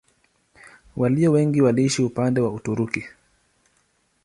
Walio wengi waliishi upande wa Uturuki.